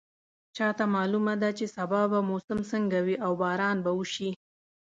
چا ته معلومه ده چې سبا به موسم څنګه وي او باران به وشي